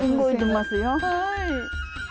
はい。